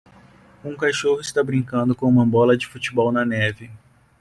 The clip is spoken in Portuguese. Um cachorro está brincando com uma bola de futebol na neve.